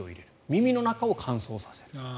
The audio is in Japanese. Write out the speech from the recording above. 耳の中を乾燥させる。